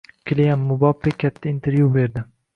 Kilian Mbappe katta intervyu berdi